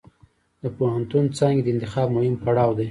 د پوهنتون څانګې د انتخاب مهم پړاو دی.